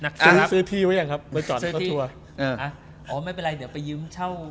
เชื่อที่ไว้ยังครับเบอร์ตอนก็ทั่วไม่เป็นไรเดี๋ยวไปยืมเช่า